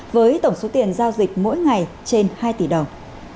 với tổng số tiền giao dịch mỗi ngày trên hai tỷ đồng